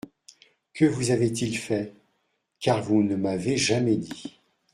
Que vous avait-il fait ? car vous ne m’avez jamais dit…